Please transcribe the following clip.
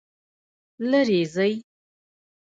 لیرې ځئ